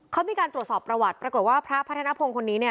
เขามีการตรวจสอบประวัติปรากฏว่าพระพัฒนภงคนนี้เนี่ย